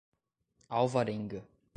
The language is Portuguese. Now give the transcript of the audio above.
Alvarenga